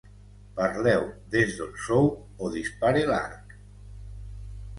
Parleu des d'on sou o dispare l'arc.